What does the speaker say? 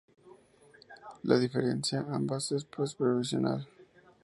La diferencia ambas es pues provisional.